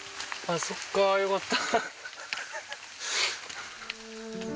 そっかよかった。